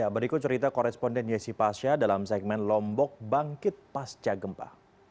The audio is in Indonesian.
berikut cerita koresponden yesi pasha dalam segmen lombok bangkit pasca gempa